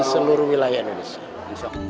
seluruh wilayah indonesia